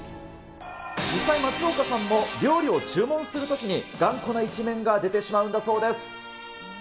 実際、松岡さんも料理を注文するときに、頑固な一面が出てしまうんだそうです。